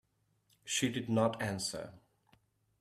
She did not answer.